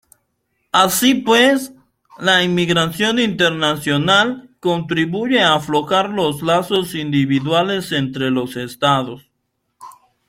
Así pues, la inmigración internacional contribuye a aflojar los lazos individuales entre los Estados.